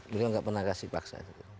beliau nggak pernah kasih paksa